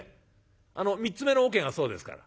３つ目のおけがそうですから。